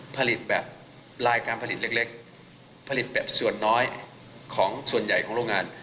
ผลิตแบบลายการผลิตเล็กผลิตแบบส่วนน้อยของส่วนใหญ่ของโรงงาน